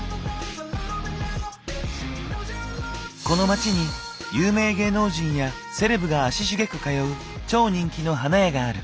この街に有名芸能人やセレブが足しげく通う超人気の花屋がある。